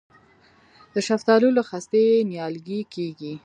د شفتالو له خستې نیالګی کیږي؟